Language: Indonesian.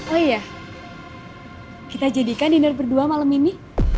oh iya kita jadikan dinner berdua malam ini